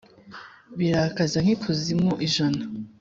birakaze nk'ikuzimu ijana!